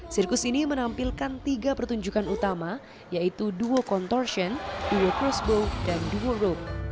sirkus ini menampilkan tiga pertunjukan utama yaitu duo contortion duo cross bow dan duo rope